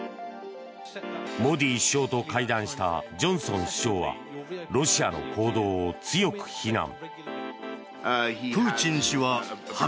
モディ首相と会談したジョンソン首相はロシアの行動を強く非難。